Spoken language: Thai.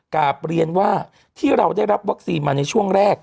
กลับเรียนว่าที่เราได้รับวัคซีนมาในช่วงแรก